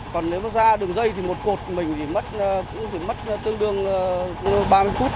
còn nếu ra đường dây thì một cột mình rửa mất tương đương ba mươi phút